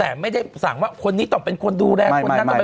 แต่ไม่ได้สั่งว่าคนนี้ต้องเป็นคนดูแลคนนั้นต้องเป็นคนดูแล